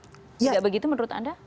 tidak begitu menurut anda